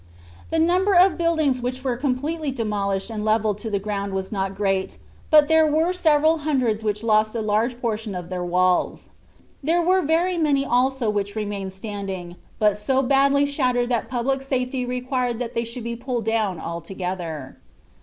The number of buildings which were completely demolished and levelled to the ground was not great; but there were several hundreds which lost a large portion of their walls. There were very many also which remained standing, but so badly shattered that public safety required that they should be pulled down altogether.